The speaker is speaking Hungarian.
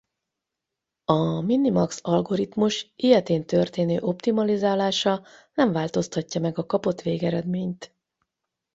A minimax algoritmus ilyetén történő optimalizálása nem változtatja meg a kapott végeredményt.